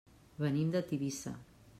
Venim de Tivissa.